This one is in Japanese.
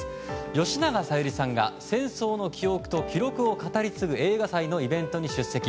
吉永小百合さんが「戦争の記憶と記録を語り継ぐ映画祭」のイベントに出席。